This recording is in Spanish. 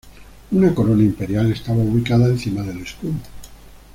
Una corona imperial estaba ubicada encima del escudo.